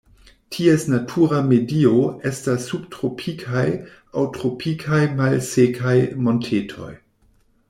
Ties natura medio estas subtropikaj aŭ tropikaj malsekaj montetoj.